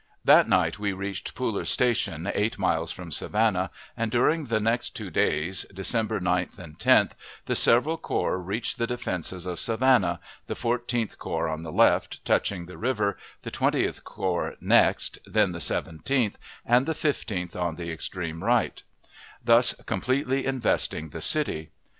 That night we reached Pooler's Station, eight miles from Savannah, and during the next two days, December 9th and 10th, the several corps reached the defenses of Savannah the Fourteenth Corps on the left, touching the river; the Twentieth Corps next; then the Seventeenth; and the Fifteenth on the extreme right; thus completely investing the city.